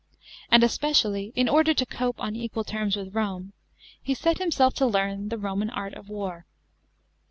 And especially, in order to cope on equal terms with Rome, he set himself to learn the Roman art of war.